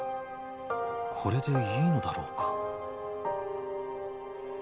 これでいいのだろうか」。